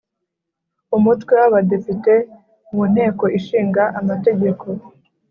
Umutwe w Abadepite mu Nteko Ishinga amategeko